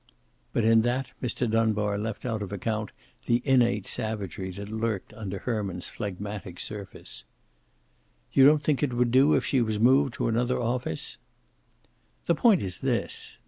But in that Mr. Dunbar left out of account the innate savagery that lurked under Herman's phlegmatic surface. "You don't think it would do if she was moved to another office?" "The point is this."